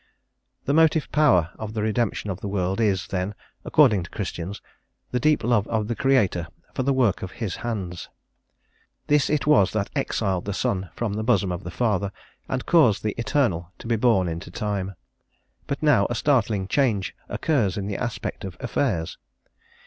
The motive power of the redemption of the world is, then, according to Christians, the deep love of the Creator for the work of His hands. This it was that exiled the Son from the bosom of the Father, and caused the Eternal to be born into time. But now a startling change occurs in the aspect of affairs.